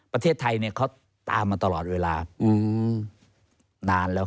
ประเทศไทยเขาตามมาตลอดเวลานานแล้ว